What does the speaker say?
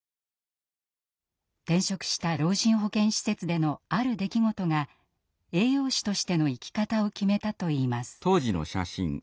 転職した老人保健施設でのある出来事が栄養士としての生き方を決めたといいます。